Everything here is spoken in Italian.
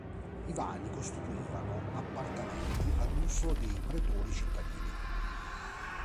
I vani costituivano appartamenti ad uso dei pretori cittadini.